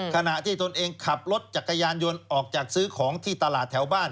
ขณะที่ตนเองขับรถจักรยานยนต์ออกจากซื้อของที่ตลาดแถวบ้าน